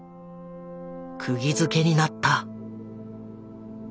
くぎづけになった。